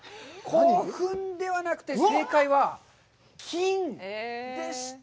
古墳ではなくて、正解は金でした。